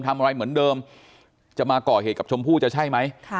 ทำอะไรเหมือนเดิมจะมาก่อเหตุกับชมพู่จะใช่ไหม